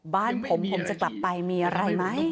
บ้านผมผมจะกลับไปมีอะไรไหม